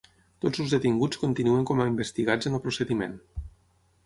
Tots els detinguts continuen com a investigats en el procediment.